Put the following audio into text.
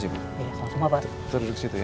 terus duduk situ ya